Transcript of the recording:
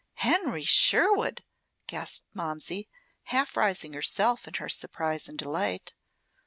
"Henry Sherwood!" gasped Momsey, half rising herself in her surprise and delight.